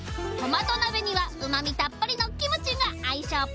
トマト鍋にはうま味たっぷりのキムチが相性